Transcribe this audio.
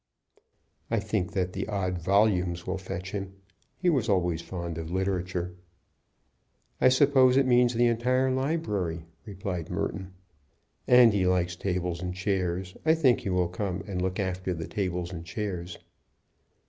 "I think that the odd volumes will fetch him. He was always fond of literature." "I suppose it means the entire library?" replied Merton. "And he likes tables and chairs. I think he will come and look after the tables and chairs."